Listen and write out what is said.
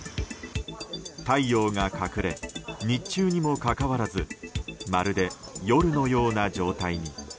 太陽が隠れ、日中にもかかわらずまるで夜のような状態に。